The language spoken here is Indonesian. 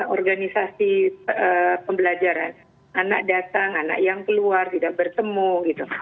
organisasi pembelajaran anak datang anak yang keluar tidak bertemu gitu